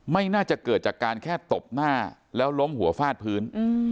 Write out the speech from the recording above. ไม่น่าจะเกิดจากการแค่ตบหน้าแล้วล้มหัวฟาดพื้น